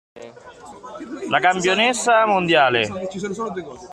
La campionessa mondiale.